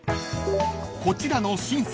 ［こちらの］